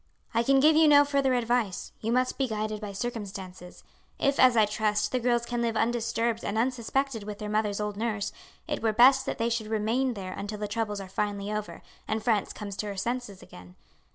"I can give you no further advice. You must be guided by circumstances. If, as I trust, the girls can live undisturbed and unsuspected with their mother's old nurse, it were best that they should remain there until the troubles are finally over, and France comes to her senses again.